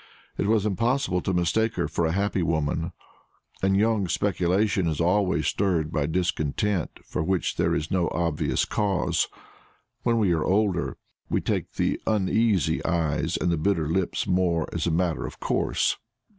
It was impossible to mistake her for a happy woman; and young speculation is always stirred by discontent for which there is no obvious cause. When we are older, we take the uneasy eyes and the bitter lips more as a matter of course.